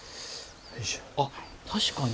あっ確かに。